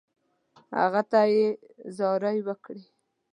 هغه ته یې زارۍ وکړې.